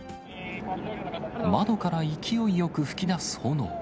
窓から勢いよく噴き出す炎。